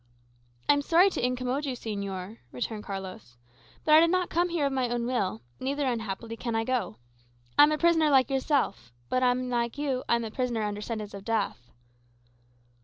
"I am sorry to incommode you, señor," returned Carlos. "But I did not come here of my own will; neither, unhappily, can I go. I am a prisoner, like yourself; but, unlike you, I am a prisoner under sentence of death."